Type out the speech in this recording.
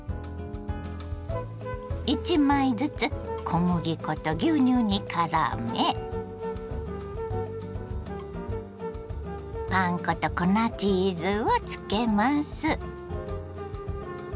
１枚ずつ小麦粉と牛乳にからめパン粉と粉チーズをつけます。